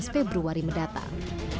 tujuh belas februari mendatang